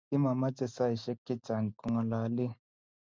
kimamachei saisiek chechang kongalale